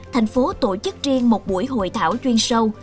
thành phố tổ chức riêng một buổi hội thảo chuyên sâu